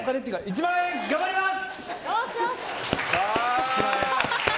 １万円、頑張ります！